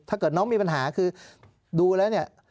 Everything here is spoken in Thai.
ถ้าเกิดน้องมีปัญหาคือดูแล้วเนี่ย